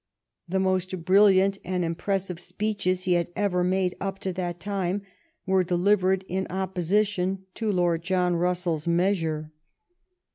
The most brilliant and impressive speeches he had ever made up to that time were delivered in opposition to Lord John Russells measure.